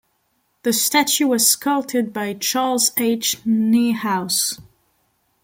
The statue was sculpted by Charles H. Niehaus.